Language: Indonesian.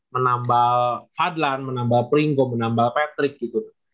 menambal fadlan menambal pringgo menambal patrick gitu